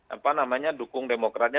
apa namanya dukung demokratnya